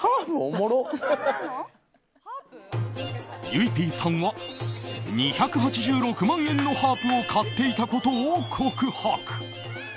ゆいＰさんは２８６万円のハープを買っていたことを告白。